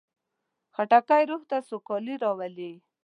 خټکی روح ته سوکالي راولي.